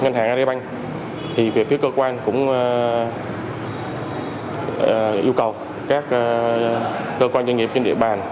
ngân hàng agribank việc phía cơ quan cũng yêu cầu các cơ quan doanh nghiệp trên địa bàn